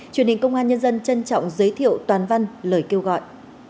truyền hình công an nhân dân trân trọng giới thiệu toàn văn lời kêu gọi